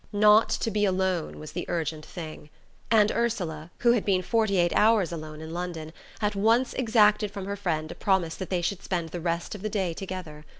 Not to be alone was the urgent thing; and Ursula, who had been forty eight hours alone in London, at once exacted from her friend a promise that they should spend the rest of the day together.